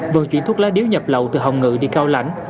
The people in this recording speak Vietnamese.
vận chuyển thuốc lá điếu nhập lậu từ hồng ngự đi cao lãnh